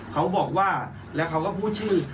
เขาบอกว่าแล้วเขาก็พูดชื่อ